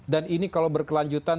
dan ini kalau berkelanjutan